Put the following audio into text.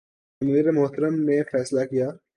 امیر محترم نے فیصلہ کیا